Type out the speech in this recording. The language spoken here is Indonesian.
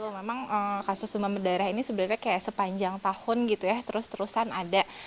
memang kasus demam berdarah ini sebenarnya kayak sepanjang tahun gitu ya terus terusan ada